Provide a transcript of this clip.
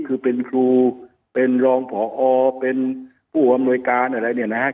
คือเป็นครูเป็นรองผอเป็นผู้อำนวยการอะไรเนี่ยนะครับ